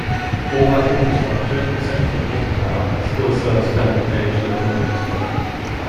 All that infrastructure except for the water tower still serves standard-gauge locomotive stock.